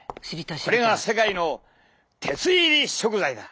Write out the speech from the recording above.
これが世界の鉄入り食材だ！